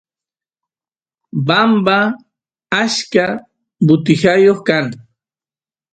bamba achka butijayoq kan